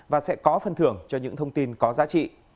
và sẽ có phân thưởng cho những thông tin có giá trị